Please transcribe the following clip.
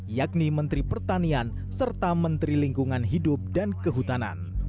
yakni menteri pertanian serta menteri lingkungan hidup dan kehutanan